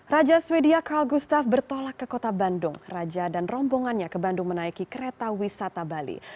raja sweden call gustav bertolak ke kota bandung raja dan rombongannya ke bandung menaiki kereta wisata bali